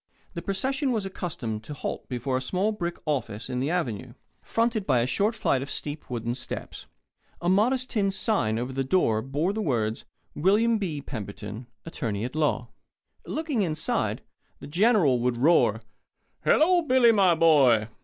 The procession was accustomed to halt before a small brick office on the Avenue, fronted by a short flight of steep wooden steps. A modest tin sign over the door bore the words: "Wm. B. Pemberton: Attorney at Law." Looking inside, the General would roar: "Hello, Billy, my boy."